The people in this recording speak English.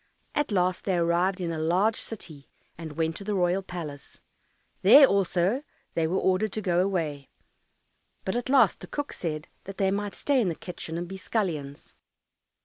At last they arrived in a large city and went to the royal palace. There also they were ordered to go away, but at last the cook said that they might stay in the kitchen and be scullions.